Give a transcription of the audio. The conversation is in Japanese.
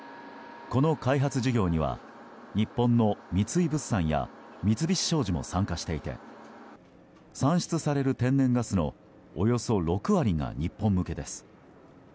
この開発事業には日本の三井物産や三菱商事も参加していて産出される天然ガスのおよそ６割が日本向けです。